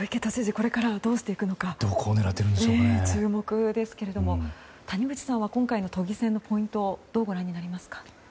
これからどうしていくのか注目ですけれども谷口さんは今回の都議選のポイントをどうご覧になりますか？